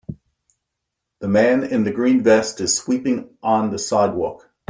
The man in the green vest is sweeping on the sidewalk.